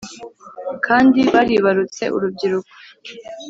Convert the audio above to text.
kandi baribarutse urubyiruko